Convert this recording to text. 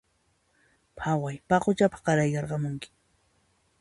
Phaway paquchapaq qarayarqamunki